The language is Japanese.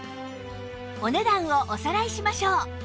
お値段をおさらいしましょう